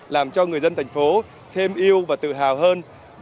làm cho người dân tp hcm thêm yêu và tự hào hơn